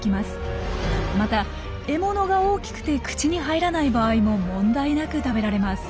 また獲物が大きくて口に入らない場合も問題なく食べられます。